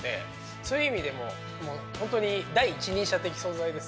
そういう意味でも本当に第一人者的存在です。